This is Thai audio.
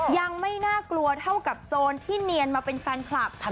ยังไม่น่ากลัวเท่ากับโจรที่เนียนมาเป็นแฟนคลับ